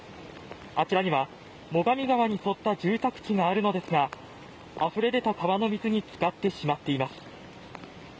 あちらには、最上川に沿った住宅地があるのですがあふれ出た川の水につかってしまっています。